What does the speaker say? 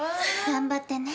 頑張ってね。